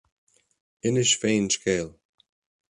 Inis féin scéal.